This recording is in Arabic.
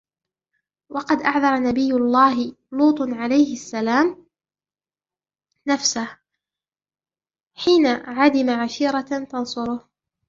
وَقَدْ أَعْذَرَ نَبِيُّ اللَّهِ لُوطٌ عَلَيْهِ السَّلَامُ نَفْسَهُ حِينَ عَدِمَ عَشِيرَةً تَنْصُرُهُ